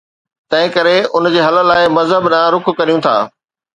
تنهنڪري ان جي حل لاءِ مذهب ڏانهن رخ ڪريون ٿا.